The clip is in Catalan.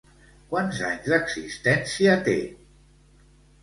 Quants anys d'existència té?